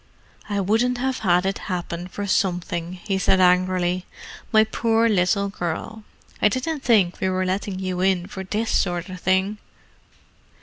"I wouldn't have had it happen for something," he said angrily. "My poor little girl, I didn't think we were letting you in for this sort of thing."